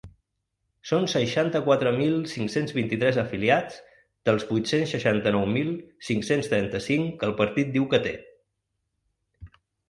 Són seixanta-quatre mil cinc-cents vint-i-tres afiliats dels vuit-cents seixanta-nou mil cinc-cents trenta-cinc que el partit diu que té.